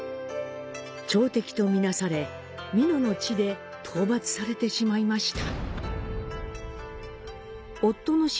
朝敵とみなされ、美濃の地で討伐されてしまいました。